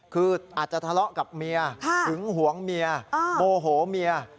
คืออาจจะทะเลาะกับเมียหึงหวงเมียโมโหเมีย